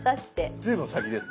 随分先ですね。